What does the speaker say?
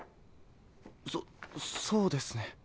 そっそうですね。